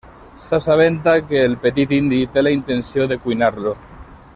S'assabenta que el petit indi té la intenció de cuinar-lo.